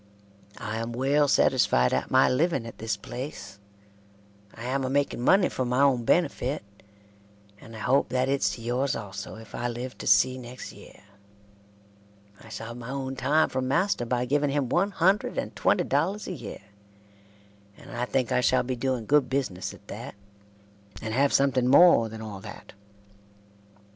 I am well satisfied at my living at this place I am a making money for my own benifit and I hope that its to yours also If I live to see Nexct year I shall heve my own time from master by giving him 100 and twenty Dollars a year and I thinke I shall be doing good bisness at that and heve something more thean all that.